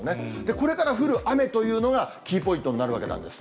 これから降る雨というのがキーポイントになるわけなんです。